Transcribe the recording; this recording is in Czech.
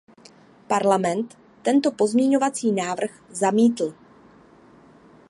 Parlament tento pozměňovací návrh zamítl.